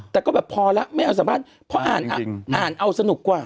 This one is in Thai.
แต่ก็แบบพอแล้วไม่เอาสัมภาษณ์เพราะอ่านอ่านเอาสนุกกว่า